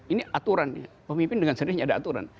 ini aturan pemimpin dengan jadinya ada aturan